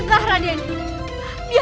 tunggu raja ibu nda